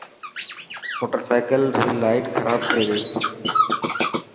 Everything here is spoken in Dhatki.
موٽرسائيڪل ري لائٽ خراب ٿي گئي.